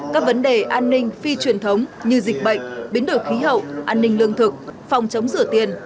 các vấn đề an ninh phi truyền thống như dịch bệnh biến đổi khí hậu an ninh lương thực phòng chống rửa tiền